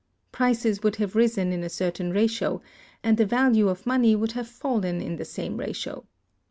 Prices would have risen in a certain ratio, and the value of money would have fallen in the same ratio.